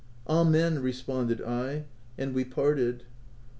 » u Amen I* responded I ; and we parted.